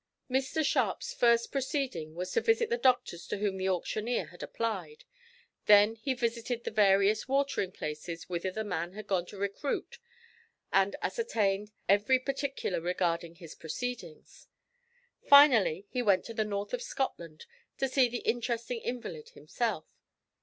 Mr Sharp's first proceeding was to visit the doctors to whom the auctioneer had applied, then he visited the various watering places whither the man had gone to recruit and ascertained every particular regarding his proceedings. Finally, he went to the north of Scotland to see the interesting invalid himself.